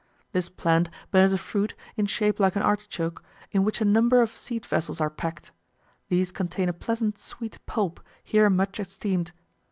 This plant bears a fruit, in shape like an artichoke, in which a number of seed vessels are packed: these contain a pleasant sweet pulp, here much esteemed.